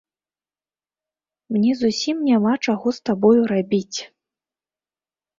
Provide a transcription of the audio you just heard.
Мне зусім няма чаго з табою рабіць.